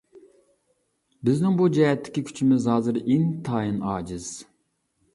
بىزنىڭ بۇ جەھەتتىكى كۈچىمىز ھازىر ئىنتايىن ئاجىز.